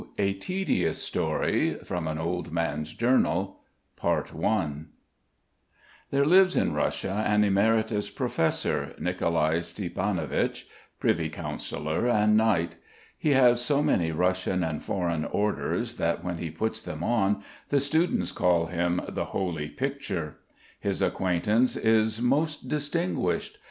A TEDIOUS STORY (FROM AN OLD MAN'S JOURNAL) There lives in Russia an emeritus professor, Nicolai Stiepanovich ... privy councillor and knight. He has so many Russian and foreign Orders that when he puts them on the students call him "the holy picture." His acquaintance is most distinguished.